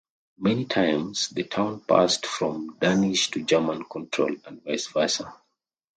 Many times the town passed from Danish to German control and vice versa.